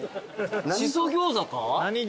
しそ餃子か？